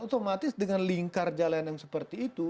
otomatis dengan lingkar jalan yang seperti itu